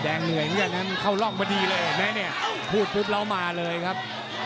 อันนี้เข้าล่องมาดีเลยแม้พูดปุ๊บเรามาเลยครับ